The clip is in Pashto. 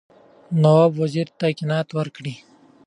نواب وزیر ته قناعت ورکړي.